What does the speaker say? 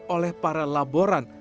oleh para laboran